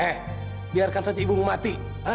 eh biarkan saja ibu mu mati